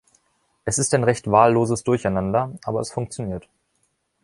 Es ist ein recht wahlloses Durcheinander, aber es funktioniert.